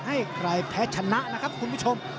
ให้ใครแพ้ชนะนะครับคุณผู้ชม